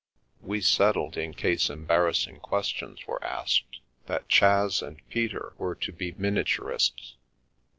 We settled, in case embarrassing questions were asked, that Chas and Peter were to be miniaturists.